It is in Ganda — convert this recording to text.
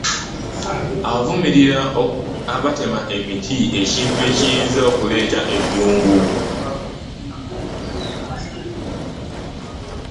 Avumirira abatema emiti ekintu ekiyinza okuleeta eddungu.